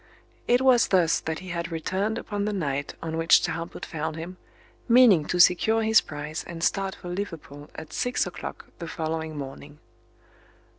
It was thus that he had returned upon the night on which Talbot found him, meaning to secure his prize and start for Liverpool at six o'clock the following morning.